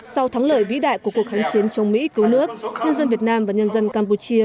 sau thắng lợi vĩ đại của cuộc kháng chiến chống mỹ cứu nước nhân dân việt nam và nhân dân campuchia